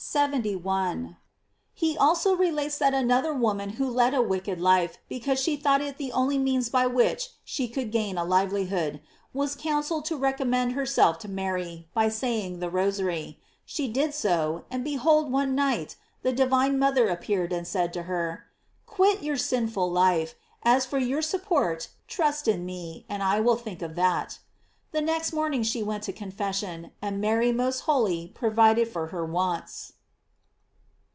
— He also relates that another woman who led a wicked life because she thought it the only means by which she could gain a livelihoodj was counselled to recommend herself to Mary by say ing the Rosary; she did so, and behold one night. •Cantip. 1. 2,c.29, p. 6. GLORIES OF MARY. 7 17 the divine mother appeared and said to her: "Quit your sinful life: as for your support, trust in me, and I will think of that." The next morn ing she went to confession, and Mary most holy provided for her wants.